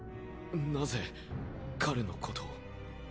なぜ彼のことを？